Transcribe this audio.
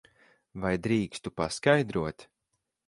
Vai drīkstu paskaidrot?